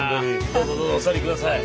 どうぞどうぞお座り下さい。